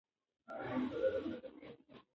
رڼا ته د امید په سترګه کتل کېږي.